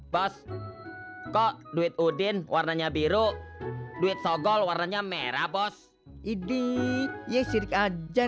bos kok duit udin warnanya biru duit sogol warnanya merah bos idi ya sirik aja